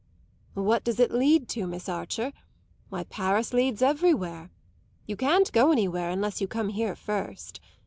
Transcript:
"What does it lead to, Miss Archer? Why Paris leads everywhere. You can't go anywhere unless you come here first.